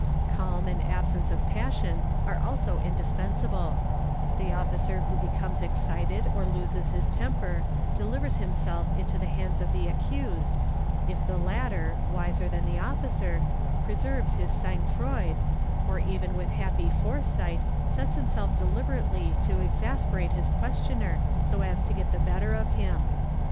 Calm and absence of passion are also indispensibl The officer who becomes excited or loses his temper delivers himself into" the hands of the accused, if the latter, wiser than the officer, preserves hi EXAMINATION OF ACCUSED 1138 _sangfroid, or even with happy foresight, sets himself deliberately to exasperate his questioner so as to get the better of him.